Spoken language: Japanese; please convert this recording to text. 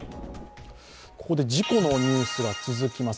ここで事故のニュースが続きます。